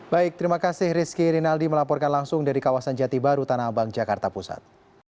baik terima kasih rizky rinaldi melaporkan langsung dari kawasan jati baru tanah abang jakarta pusat